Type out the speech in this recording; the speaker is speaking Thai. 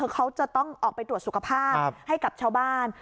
คือเขาจะต้องออกไปตรวจสุขภาพให้กับชาวบ้าน